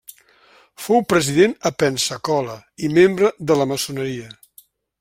Fou resident a Pensacola i membre de la Maçoneria.